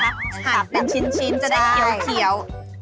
หัดเป็นชิ้นจะได้เคี้ยว